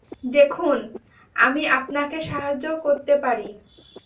দেখুন, আমি আপনাকে সাহায্য করতে পারি।